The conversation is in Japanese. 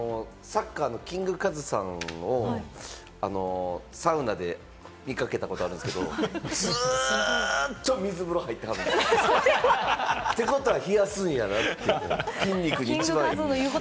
サッカーのキングカズさん、サウナで見掛けたことがあるんですけれども、ずっと水風呂入ってはるのよ。ってことは、冷やすんやろなって、筋肉に一番いい。